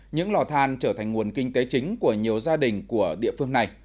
những lò than trở thành nguồn kinh tế chính của nhiều gia đình của địa phương này